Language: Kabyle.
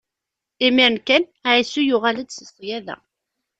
Imiren kan, Ɛisu yuɣal-d si ṣṣyada.